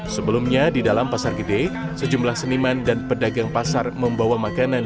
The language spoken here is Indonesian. sebelumnya di dalam pasar gede sejumlah seniman dan pedagang pasar membawa makanan